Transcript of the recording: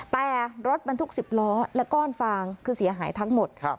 แต่รถบรรทุก๑๐ล้อและก้อนฟางคือเสียหายทั้งหมด